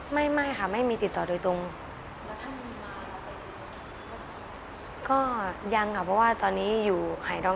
แล้วมีค่าต่อหรือมีต่อของคุณตรง